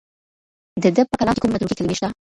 د ده په کلام کې کومې متروکې کلمې شته؟